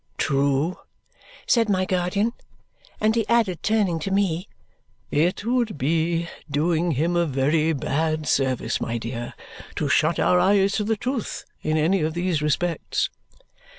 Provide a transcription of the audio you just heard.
"True," said my guardian. And he added, turning to me, "It would be doing him a very bad service, my dear, to shut our eyes to the truth in any of these respects."